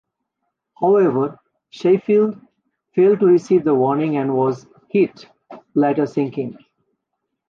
However "Sheffield" failed to receive the warning and was hit, later sinking.